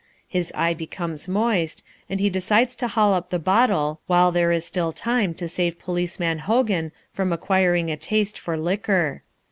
His eye becomes moist, and he decides to haul up the bottle while there is still time to save Policeman Hogan from acquiring a taste for liquor.